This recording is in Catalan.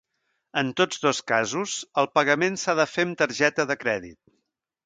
En tots dos casos, el pagament s'ha de fer amb targeta de crèdit.